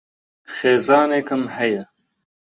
خێزانێکم ھەیە.